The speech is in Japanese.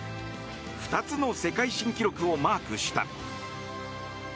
２つの世界新記録をマークした。